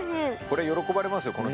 これ喜ばれますよ